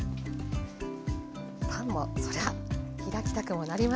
パンもそりゃ開きたくもなります。